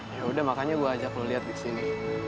yaudah makanya gue ajak lo liat di sini